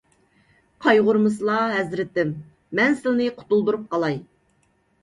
قايغۇرمىسىلا، ھەزرىتىم، مەن سىلىنى قۇتۇلدۇرۇپ قالاي.